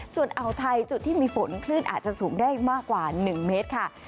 ส่วนอ่าวไทยจุดที่มีฝนคลื่นอาจจะสูงได้มากกว่า๑เมตรค่ะ